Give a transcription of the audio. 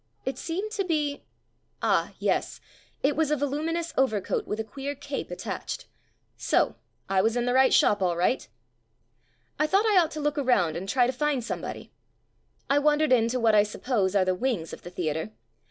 It seemed to be — ah! yes; it was a voluminuous over coat with a queer cape attached. So; I was in the right shop all right. I thought I ought to look around and try to find somebody. I wandered into what I suppose are the "wings" of the theatre.